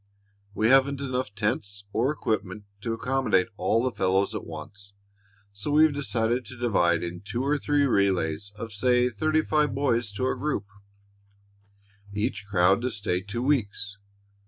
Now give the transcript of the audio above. We haven't enough tents or equipment to accommodate all the fellows at once, so we've decided to divide in two or three relays of say thirty five boys to a group, each crowd to stay two weeks.